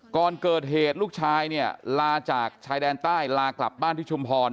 ก่อนเกิดเหตุลูกชายเนี่ยลาจากชายแดนใต้ลากลับบ้านที่ชุมพร